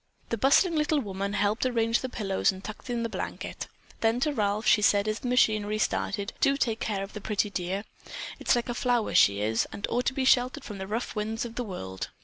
The bustling little woman helped arrange the pillows and tucked in the blanket. Then to Ralph she said as the machinery started: "Do take care of the pretty dear. It's like a flower she is, and ought to be sheltered from the rough winds of the world."